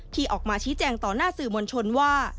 ที่ออกมาชี้แจงต่อหน้าสื่อมวลชนว่า